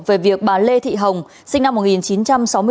về việc bà lê thị hồng sinh năm một nghìn chín trăm sáu mươi bốn